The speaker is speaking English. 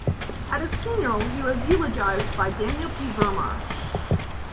At his funeral, he was eulogised by Daniel P. Virmar.